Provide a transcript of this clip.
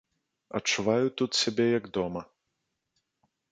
Адчуваю тут сябе, як дома.